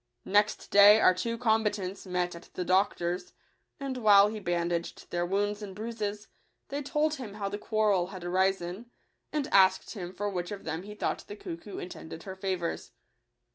Next day our two combatants met at the doctor's; and, while he bandaged their wounds and bruises, they told him how the quarrel had arisen, and asked him for which of them he thought the cuckoo intended her favours.